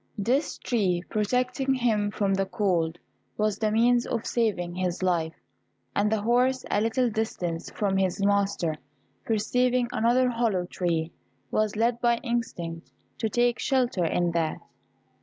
This tree protecting him from the cold, was the means of saving his life; and the horse, a little distance from his master, perceiving another hollow tree, was led by instinct to take shelter in that.